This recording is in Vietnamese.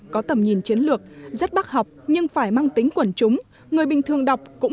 có tầm nhìn chiến lược rất bác học nhưng phải mang tính quẩn chúng người bình thường đọc cũng